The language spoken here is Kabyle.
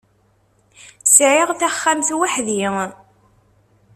Sɛiɣ taxxamt weḥd-i.